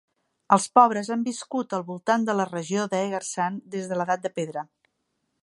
Els pobres han viscut al voltant de la regió d"Egersund des de l"edat de pedra.